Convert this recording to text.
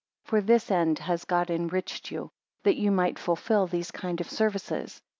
8 For this end has God enriched you, that ye might fulfil these kind of services.